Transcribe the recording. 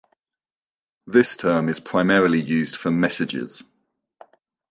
This term is primarily used for messages.